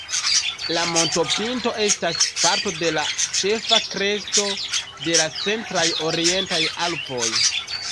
La montopinto estas parto de la ĉefa kresto de la centraj orientaj Alpoj.